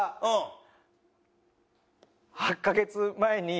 ８カ月前に。